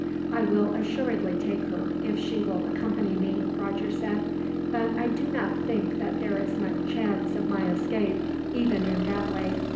"I will assuredly take her, if she will accompany me," Roger said; "but I do not think that there is much chance of my escape, even in that way.